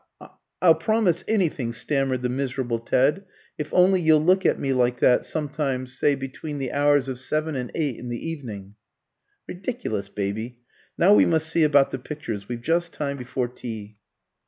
"I I'll promise anything," stammered the miserable Ted, "if only you'll look at me like that sometimes, say between the hours of seven and eight in the evening." "Ridiculous baby! Now we must see about the pictures; we've just time before tea."